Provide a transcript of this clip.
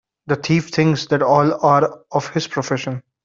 The thief thinks that all are of his profession.